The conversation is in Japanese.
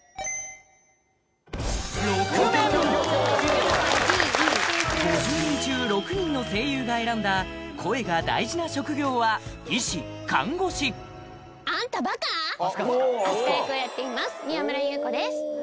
いいいい５０人中６人の声優が選んだ声が大事な職業は医師・看護師アスカ役をやっています宮村優子です